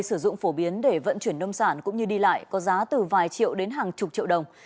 sử dụng phổ biến để vận chuyển nông sản cũng như đi lại có giá từ vài triệu đến hàng chục triệu đồng